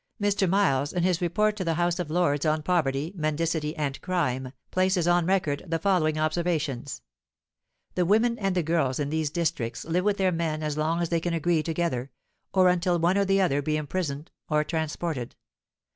Mr. Miles, in his "Report to the House of Lords on Poverty, Mendicity, and Crime," places on record the following observations:— "The women and the girls in these districts live with their men as long as they can agree together, or until one or the other be imprisoned or transported.